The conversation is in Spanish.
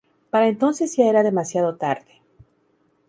Para entonces ya era demasiado tarde.